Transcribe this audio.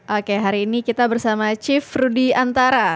oke hari ini kita bersama chief rudy antara